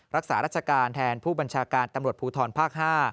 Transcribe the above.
รักษาราชการแทนผู้บัญชาการตำรวจภูทรภาค๕